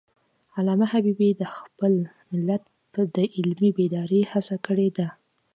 علامه حبیبي د خپل ملت د علمي بیدارۍ هڅه کړی ده.